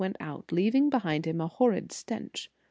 215 went out, leaving behind him a horrid stench.